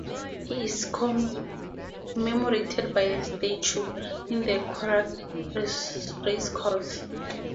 He is commemorated by a statue in the Curragh Racecourse.